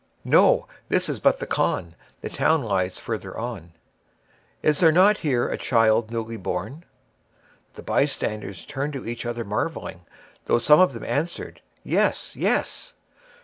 "No, this is but the khan; the town lies farther on." "Is there not here a child newly born?" The bystanders turned to each other marvelling, though some of them answered, "Yes, yes."